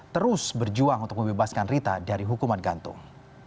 terus berjuang untuk membebaskan rita dari hukuman gantung